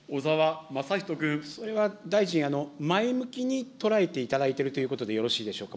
それは大臣、前向きに捉えていただいているということでよろしいでしょうか。